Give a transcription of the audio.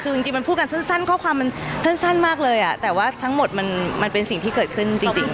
คือจริงมันพูดกันสั้นข้อความมันสั้นมากเลยแต่ว่าทั้งหมดมันเป็นสิ่งที่เกิดขึ้นจริง